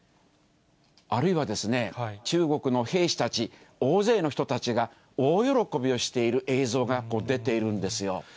あるいは、中国の兵士たち、大勢の人たちが大喜びをしている映像が出ているんですよ。